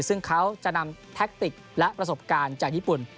ซึ่งเขาจะนำแท็กติกและประสบการณ์จากญี่ปุ่น